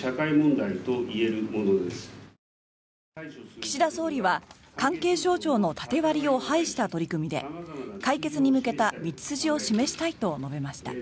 岸田総理は関係省庁の縦割りを排した取り組みで解決に向けた道筋を示したいと述べました。